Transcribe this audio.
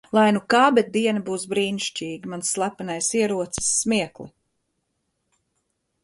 Lai nu kā, bet diena būs brīnišķīga! Mans slepenais ierocis- smiekli.